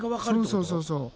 そうそうそうそう。